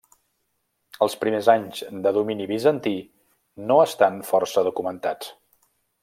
Els primers anys de domini bizantí no estan força documentats.